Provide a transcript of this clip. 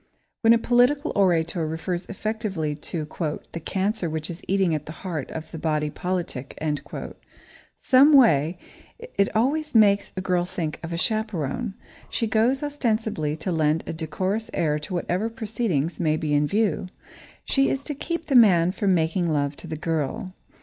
When a political orator refers effectively to "the cancer which is eating at the heart of the body politic," someway, it always makes a girl think of a chaperone. She goes, ostensibly, to lend a decorous air to whatever proceedings may be in view. She is to keep the man from making love to the girl.